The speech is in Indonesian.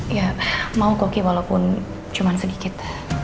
ya mau koki walaupun cuma sedikit